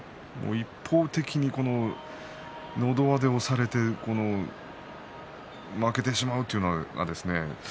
一方的に、のど輪で押されて負けてしまうというのはですね